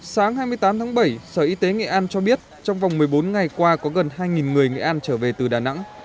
sáng hai mươi tám tháng bảy sở y tế nghệ an cho biết trong vòng một mươi bốn ngày qua có gần hai người nghệ an trở về từ đà nẵng